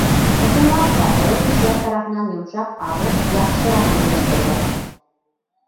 Ысынлап та, оло кешеләр тарафынан йомшаҡ аҙыҡ яҡшыраҡ үҙләштерелә.